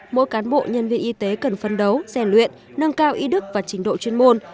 mỗi cán bộ nhân viên y tế cần phân đấu rèn luyện nâng cao ý đức và trình độ chuyên môn